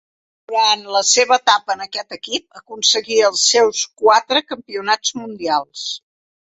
Durant la seva etapa en aquest equip, aconseguí els seus quatre campionats mundials.